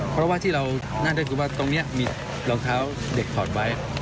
เพราะว่าที่เรานั่นก็คือว่าตรงนี้มีรองเท้าเด็กถอดไว้